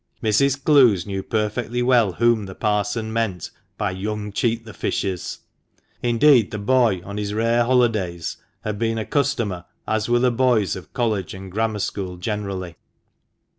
Mrs. Clowes knew perfectly well whom the parson meant by " young Cheat the fishes "; indeed, the boy, on his rare holidays, had been a customer, as were the boys of College and Grammar School generally.